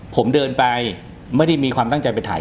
ผมเดินไปไม่ได้มีความตั้งใจไปถ่าย